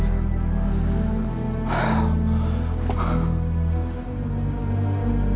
sampai ketemu lagi